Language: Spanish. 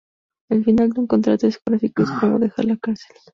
El final de un contrato discográfico es como dejar la carcel